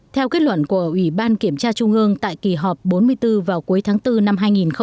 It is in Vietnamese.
theo kết luận của ủy ban kiểm tra trung ương tại kỳ họp bốn mươi bốn vào cuối tháng bốn năm hai nghìn hai mươi